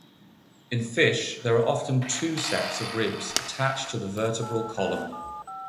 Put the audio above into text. In fish, there are often two sets of ribs attached to the vertebral column.